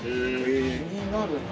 気になるな。